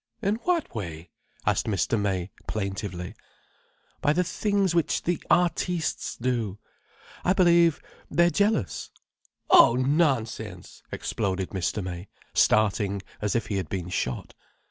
"In what way?" asked Mr. May plaintively. "By the things which the artistes do. I believe they're jealous." "Oh nonsense!" exploded Mr. May, starting as if he had been shot.